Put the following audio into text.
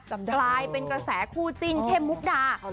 จำได้เป็นกระแสคู่จิ้นเดชน์เข้มมุกดา